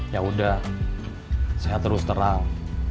ya udah saya terus terang